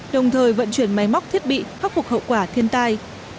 đồng thời vận chuyển máy móc thiết bị khắc phục hậu quả thiên tai